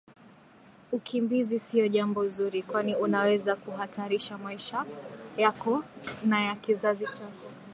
ukimbizi sio jambo zuri kwani unaweza ukahatarisha maisha yako na ya kizazi chako